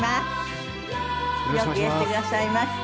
よくいらしてくださいました。